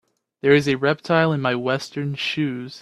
There is a reptile in my western shoes.